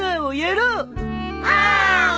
お！